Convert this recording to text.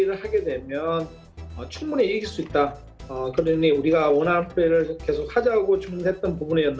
sebagai pemain kita bisa menang jika kita melakukan permainan yang kita inginkan